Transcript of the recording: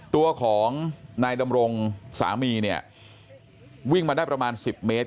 ตัวของนายดำรงสามีเนี่ยวิ่งมาได้ประมาณ๑๐เมตร